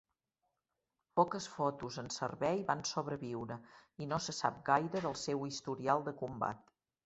Poques fotos en servei van sobreviure i no se sap gaire del seu historial de combat.